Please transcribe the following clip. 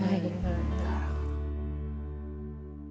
なるほど。